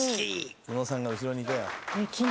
「宇野さんが後ろにいたよ」